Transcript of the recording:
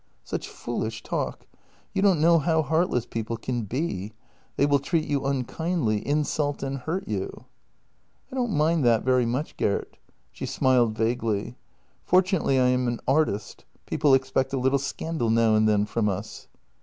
" Such foolish talk! You don't know how heartless people can be; they will treat you unkindly, insult and hurt you." " I don't mind that very much, Gert." She smiled vaguely. " Fortunately I am an artist; people expect a little scandal now and then from us."